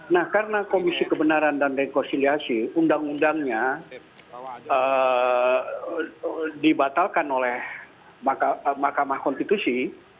nah karena komisi kebenaran dan rekonsiliasi undang undangnya dibatalkan oleh mahkamah konstitusi